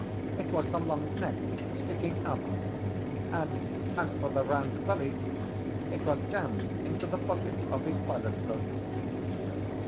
it was the long neck sticking up; and as for the round belly, it was jammed into the pocket of his pilot coat.